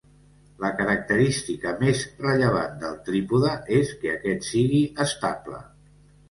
La característica més rellevant del trípode és que aquest sigui estable.